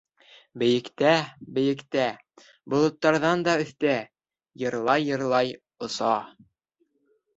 Бейектә, бейектә, болоттарҙан да өҫтә, йырлай-йырлай оса!